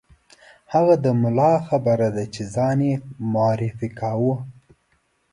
هغه د ملا خبره ده چې ځان یې معرفي کاوه.